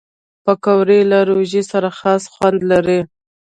پکورې له روژې سره خاص خوند لري